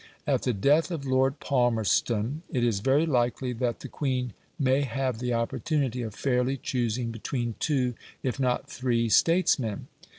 At the death of Lord Palmerston it is very likely that the Queen may have the opportunity of fairly choosing between two, if not three statesmen.